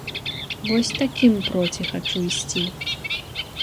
Вось такім проці хачу ісці!